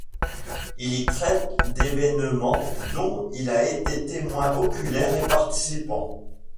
Il y traite d'événements dont il a été témoin oculaire et participant.